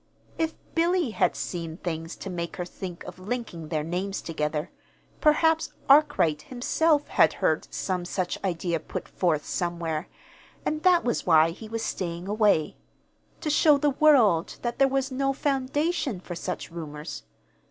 If Billy had seen things to make her think of linking their names together, perhaps Arkwright himself had heard some such idea put forth somewhere, and that was why he was staying away to show the world that there was no foundation for such rumors.